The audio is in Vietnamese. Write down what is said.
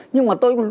nhưng mà tôi